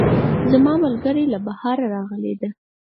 زما ملګرۍ له بهره راغلی ده